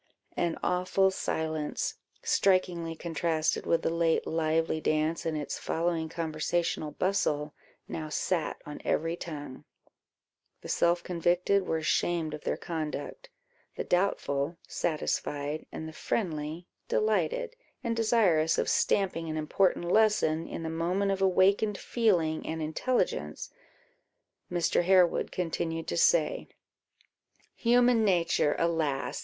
An awful silence, strikingly contrasted with the late lively dance and its following conversational bustle, now sat on every tongue; the self convicted were ashamed of their conduct, the doubtful satisfied, and the friendly delighted; and desirous of stamping an important lesson, in the moment of awakened feeling and intelligence, Mr. Harewood continued to say "Human nature, alas!